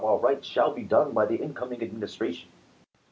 our rights shall be done by the incoming Administration.